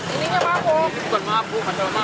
ini bukan mabuk bukan mabuk